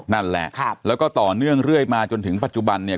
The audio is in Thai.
นั่นแหละครับแล้วก็ต่อเนื่องเรื่อยมาจนถึงปัจจุบันเนี่ย